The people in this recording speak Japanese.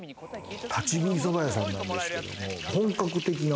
立ち食い蕎麦屋さんなんですけれども、本格的な。